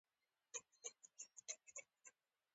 که څه هم، زه خوشحال یم چې مرسته کوم.